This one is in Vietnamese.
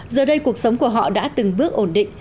giờ đây cuộc sống của họ đã từng bước ổn định